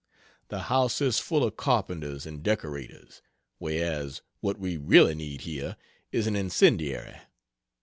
The house is full of carpenters and decorators; whereas, what we really need here, is an incendiary.